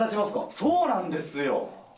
そうなんですよ。